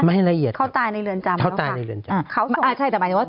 ให้ละเอียดเขาตายในเรือนจำเขาตายในเรือนจำเขาอ่าใช่แต่หมายถึงว่า